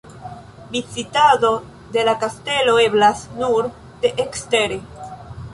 Vizitado de la kastelo eblas nur de ekstere.